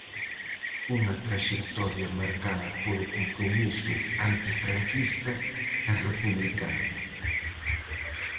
Unha traxectoria marcada polo compromiso antifranquista e republicano.